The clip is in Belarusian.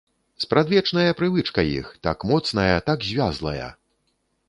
Спрадвечная прывычка іх, так моцная, так звязлая!